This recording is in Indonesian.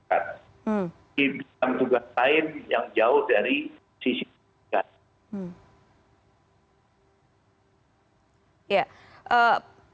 ini bukan tugas lain yang jauh dari sisi kemungkinan